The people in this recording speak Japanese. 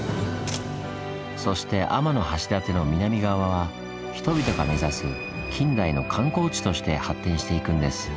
そして天橋立の南側は人々が目指す近代の観光地として発展していくんです。